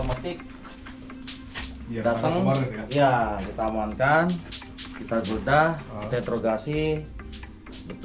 menangkap pelaku curian di kamar uiss hyderabad